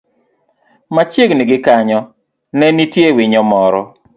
Machiegni gi kanyo, ne nitie winyo moro